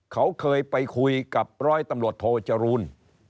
เขาเคยไปคุยกับร้อยตำรวจโทจรูล